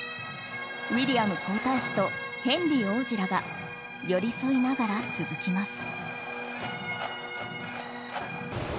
ウィリアム皇太子とヘンリー王子らが寄り添いながら続きます。